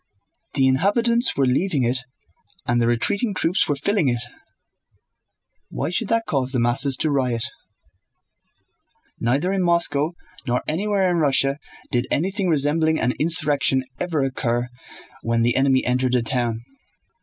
The inhabitants were leaving it and the retreating troops were filling it. Why should that cause the masses to riot? Neither in Moscow nor anywhere in Russia did anything resembling an insurrection ever occur when the enemy entered a town.